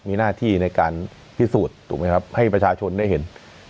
มีหน้าที่ในการพิสูจน์ถูกไหมครับให้ประชาชนได้เห็น